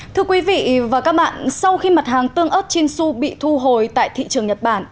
thưa quý vị và các bạn sau khi mặt hàng tương ớt chinsu bị thu hồi tại thị trường nhật bản